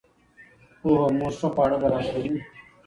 پوهه مور ښه خواړه برابروي.